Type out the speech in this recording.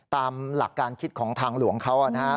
ตามหลักการคิดของทางหลวงเขานะครับ